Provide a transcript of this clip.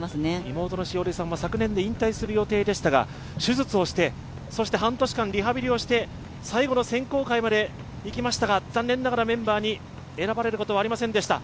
妹の詩織さんは昨年で引退するつもりでしたが、手術をして、半年間、リハビリをして最後の選考会まで行きましたが残念ながら、メンバーに選ばれることはありませんでした。